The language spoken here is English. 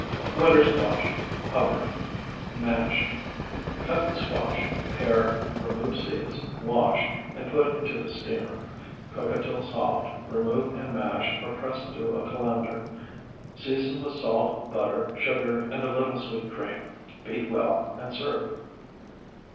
WINTER SQUASH (HUBBARD) Mashed: Cut the squash, pare, remove seeds, wash, and put into the steamer. Cook until soft, remove and mash or press through a colander. Season with salt, butter, sugar, and a little sweet cream. Beat well, and serve.